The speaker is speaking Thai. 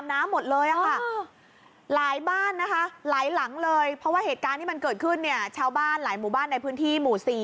มาได้ครับไปมาได้